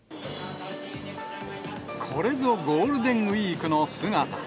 これぞゴールデンウィークの姿。